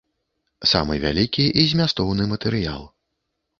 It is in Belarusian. Самы вялікі і змястоўны матэрыял.